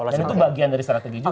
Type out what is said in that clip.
dan itu bagian dari strategi juga